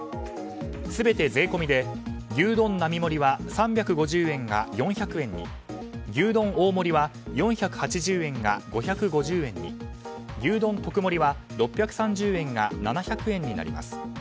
全て税込で牛丼並盛は３５０円が４００円に牛丼大盛りは４８０円が５５０円に牛丼特盛は６３０円が７００円になります。